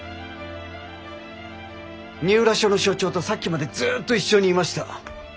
二浦署の署長とさっきまでずっと一緒にいました。